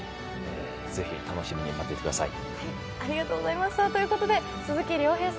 ぜひ楽しみに待っていてください。